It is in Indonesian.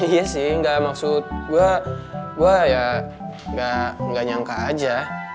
iya sih nggak maksud gue gue ya nggak nyangka aja